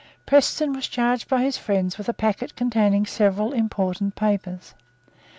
Preston was charged by his friends with a packet containing several important papers.